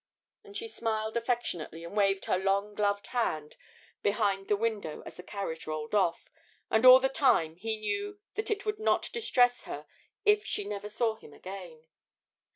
And she smiled affectionately and waved her long gloved hand behind the window as the carriage rolled off, and all the time he knew that it would not distress her if she never saw him again.